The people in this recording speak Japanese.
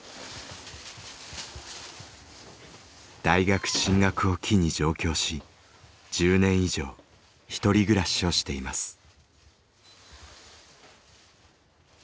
大学進学を機に上京し１０年以上１人暮らしをしています。